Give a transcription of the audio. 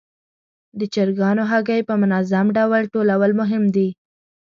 د چرګانو هګۍ په منظم ډول ټولول مهم دي.